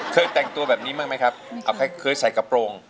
เคยแต่งตัวแบบนี้บ้างไหมครับไม่ครับเอาแค่เคยใส่กระโปรง